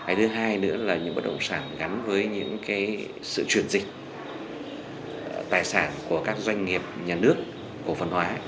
thứ hai nữa là những bất động sản gắn với những sự truyền dịch tài sản của các doanh nghiệp nhà nước của phần ngoại